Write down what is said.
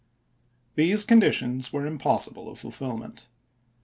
These conditions were impossible of fulfilment.